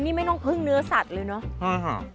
นี่ไม่ต้องพึ่งเนื้อสัตว์เลยเนอะ